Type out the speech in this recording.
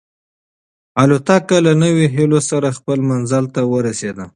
الوتکه له نویو هیلو سره خپل منزل ته ورسېده.